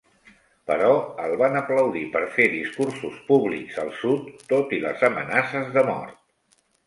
Però el van aplaudir per fer discursos públics al sud tot i les amenaces de mort.